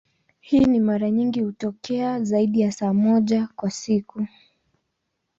Hii mara nyingi hutokea zaidi ya saa moja kwa siku.